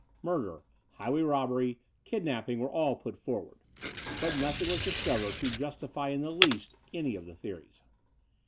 Murder, highway robbery, kidnapping were all put forward; but nothing was discovered to justify in the least any of the theories.